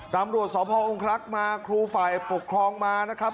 ตามรวชสอบภาวองคลรักษณ์มาครูฝ่ายปกครองมานะครับ